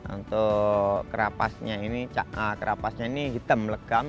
untuk kerapasnya ini hitam legam